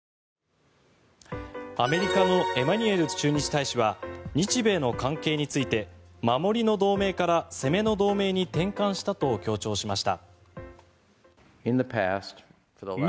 アメリカのエマニュエル駐日大使は日米の関係について守りの同盟から攻めの同盟に転換したと強調しました。